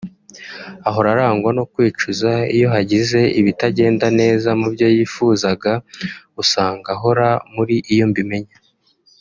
Ahora arangwa no kwicuza iyo hagize ibitagenda neza mu byo yifuzaga usanga ahora muri iyo mbimenya